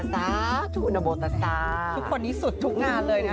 สาธุอุณโบตาทุกคนนี้สุดทุกงานเลยนะ